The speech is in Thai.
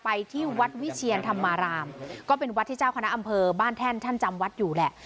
ที่วัดวิเชียนธรรมารามก็เป็นวัดที่เจ้าคณะอำเภอบ้านแท่นท่านจำวัดอยู่แหละ